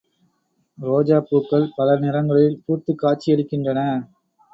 ரோஜாப்பூக்கள் பல நிறங்களில் பூத்துக் காட்சியளிக்கின்றன.